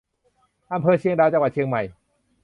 อำเภอเชียงดาว จังหวัดเชียงใหม่